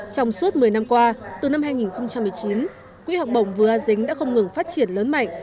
trong suốt một mươi năm qua từ năm hai nghìn một mươi chín quỹ học bổng vừa a dính đã không ngừng phát triển lớn mạnh